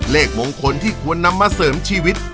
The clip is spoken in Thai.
เลขมงคลที่ควรนำมาเสริมชีวิต